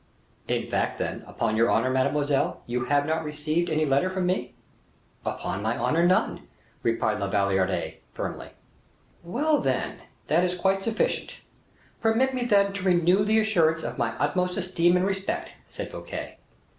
"In fact, then, upon your honor, mademoiselle, you have not received any letter from me?" "Upon my honor, none," replied La Valliere, firmly. "Very well, that is quite sufficient; permit me, then, to renew the assurance of my utmost esteem and respect," said Fouquet.